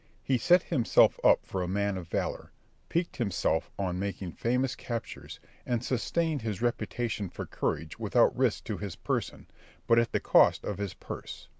He set himself up for a man of valour, piqued himself on making famous captures, and sustained his reputation for courage without risk to his person, but at the cost of his purse.